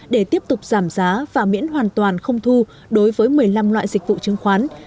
để tiếp tục giảm giá và miễn hoàn toàn không thu đối với một mươi năm loại dịch vụ chứng khoán